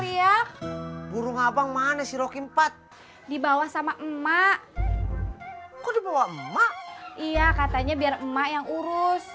riak burung abang mana sirokin empat dibawa sama emak emak iya katanya biar emak yang urus